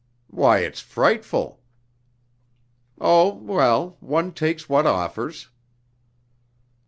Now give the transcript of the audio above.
"Why, it's frightful!" "Oh, well! One takes what offers!"